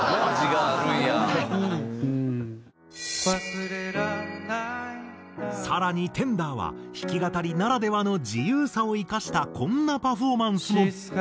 「忘れらんないな」更にＴＥＮＤＲＥは弾き語りならではの自由さを生かしたこんなパフォーマンスを。